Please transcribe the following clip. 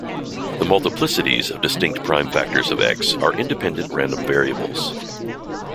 The multiplicities of distinct prime factors of "X" are independent random variables.